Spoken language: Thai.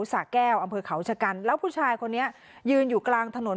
สะแก้วอำเภอเขาชะกันแล้วผู้ชายคนนี้ยืนอยู่กลางถนน